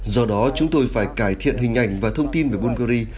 do đó chúng tôi phải cải thiện hình ảnh và thông tin về bulgaria